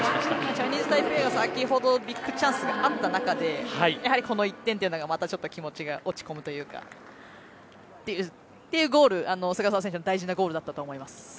チャイニーズタイペイが先ほどビッグチャンスがあった中でこの１点というのはまたちょっと気持ちが落ち込むというか。というゴール、菅澤選手の大事なゴールだったと思います。